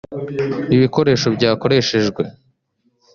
ibikoresho byakoreshejwe